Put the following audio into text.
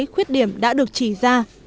khuyết điểm đã được chỉ ra